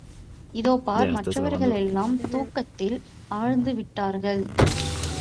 இதோ பார் மற்றவர்களெல்லாம் தூக்கத்தில் ஆழ்ந்து விட்டார்கள்.